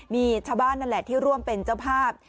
มีชาวบ้านนั่นแหละที่ร่วมเป็นเจ้าภาพ